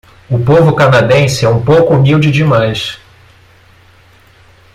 O povo canadense é um pouco humilde demais.